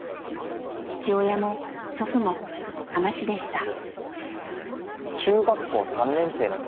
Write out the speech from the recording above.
父親も祖父も海士でした。